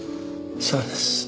そうです。